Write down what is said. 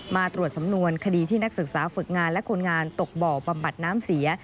มาตรวจสำนวนคดีที่นักศึกษาฝึกงานและคนงานตกบ่อบำบัดน้ำเสีย